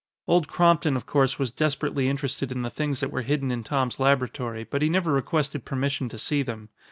Old Crompton, of course, was desperately interested in the things that were hidden in Tom's laboratory, but he never requested permission to see them.